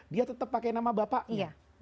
dia tetap pakai nama bapaknya